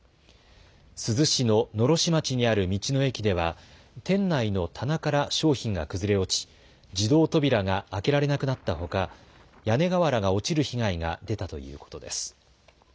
珠洲市の狼煙町にある道の駅では店内の棚から商品が崩れ落ち自動扉が開けられなくなったほか屋根瓦が落ちる被害が出たということです。